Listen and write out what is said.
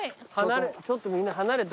ちょっとみんな離れて。